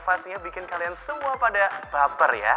pastinya bikin kalian semua pada baper ya